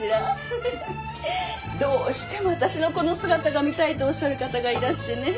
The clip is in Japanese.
フフフ。どうしても私のこの姿が見たいとおっしゃる方がいらしてね。